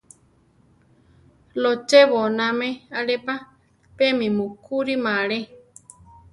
Lochéboname ale pa, pe mi mukúrima alé.